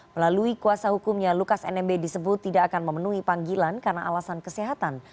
melalui kuasa hukumnya lukas nmb disebut tidak akan memenuhi panggilan karena alasan kesehatan